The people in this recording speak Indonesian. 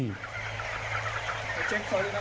jangan lupa untuk mencari jahat